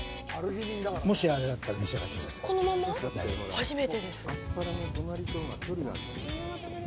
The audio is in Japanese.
初めてです。